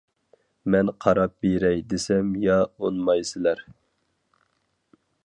مەن قاراپ بېرەي دېسەم يا ئۇنىمايسىلەر.